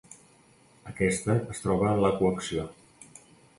Aquesta es troba en la coacció.